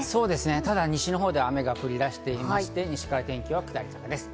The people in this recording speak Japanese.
ただ西のほうでは雨が降り出していまして、西から天気は下り坂です。